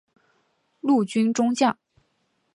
陆军中将。